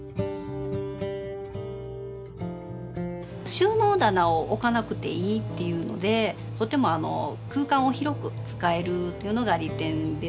収納棚を置かなくていいっていうのでとても空間を広く使えるというのが利点ですかね。